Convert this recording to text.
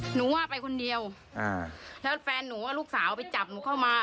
หนูว่าไปคนเดียวอ่าแล้วแฟนหนูว่าลูกสาวไปจับหนูเข้ามา